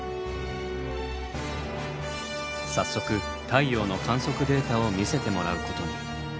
早速太陽の観測データを見せてもらうことに。